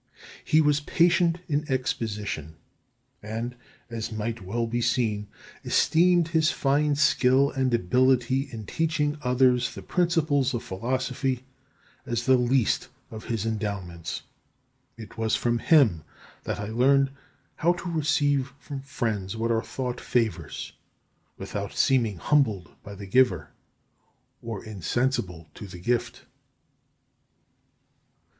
He was patient in exposition; and, as might well be seen, esteemed his fine skill and ability in teaching others the principles of philosophy as the least of his endowments. It was from him that I learned how to receive from friends what are thought favours without seeming humbled by the giver or insensible to the gift.